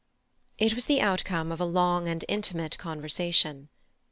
It was the outcome of a long and intimate conversation.